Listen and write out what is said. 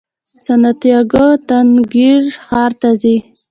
سانتیاګو تنګیر ښار ته ځي.